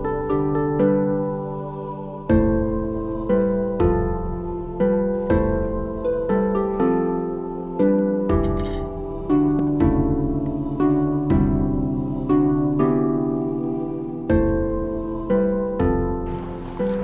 aku ingin menerima hadiah